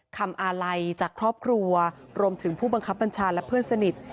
อาลัยจากครอบครัวรวมถึงผู้บังคับบัญชาและเพื่อนสนิท